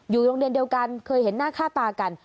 โรงเรียนเดียวกันเคยเห็นหน้าค่าตากัน